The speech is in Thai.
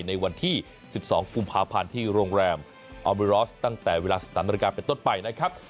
ในวันที่๑๒กุมภาพันธ์ที่โรงแรมออมิรอสตั้งแต่เวลา๑๓นาฬิกาเป็นต้นไปนะครับ